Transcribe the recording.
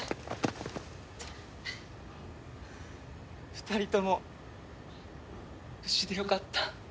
２人とも無事でよかった。